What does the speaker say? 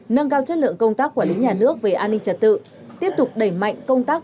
nâng cao chất lượng công tác quản lý nhà nước về an ninh trật tự tiếp tục đẩy mạnh công tác